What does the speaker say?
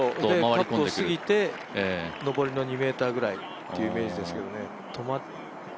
カップを過ぎて、残りの２ｍぐらいというイメージですけどね